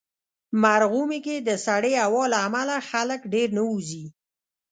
مرغومی کې د سړې هوا له امله خلک ډېر نه وځي.